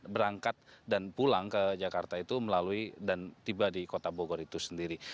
berangkat dan pulang ke jakarta itu melalui dan tiba di kota bogor itu sendiri